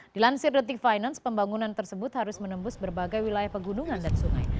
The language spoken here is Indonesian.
dilansir the tick finance pembangunan tersebut harus menembus berbagai wilayah pegunungan dan sungai